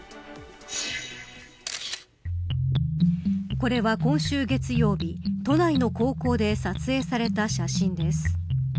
これは今週月曜日都内の高校で撮影された写真です。